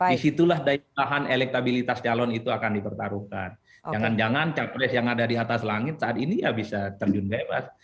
disitulah daya tahan elektabilitas calon itu akan dipertaruhkan jangan jangan capres yang ada di atas langit saat ini ya bisa terjun bebas